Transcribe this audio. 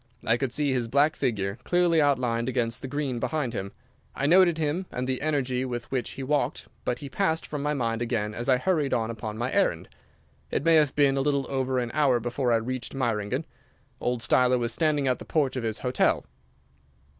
I could see his black figure clearly outlined against the green behind him. I noted him, and the energy with which he walked but he passed from my mind again as I hurried on upon my errand. It may have been a little over an hour before I reached Meiringen. Old Steiler was standing at the porch of his hotel.